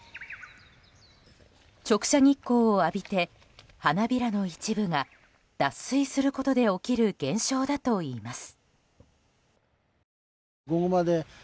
直射日光を浴びて花びらの一部が脱水することで起きる現象だといいます。